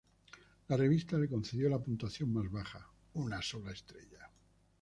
La revista le concedió la puntuación más baja: una sola estrella.